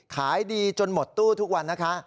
ขายดีจนหมดตู้ทุกวันนะคะ